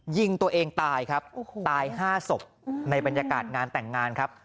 ยิงตัวเองตายครับตาย๕ศพในบรรยากาศงานแต่งงานครับ